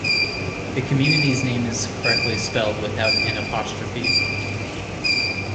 The community's name is correctly spelled without an apostrophe.